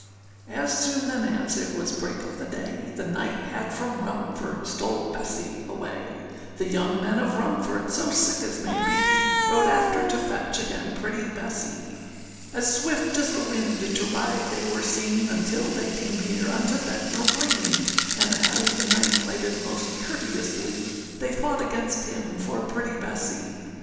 â As soon then as it was break of the day, The knight had from Rumford stole Bessee away; The young men of Rumford, so sick as may be, Rode after to fetch again pretty Bessee. As swift as the wind to ride they were seen, Until they came near unto Bednall Green, And as the knight lighted most courteously, They fought against him for pretty Bessee.